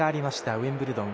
ウィンブルドン